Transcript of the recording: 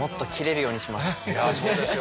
いやそうですよ。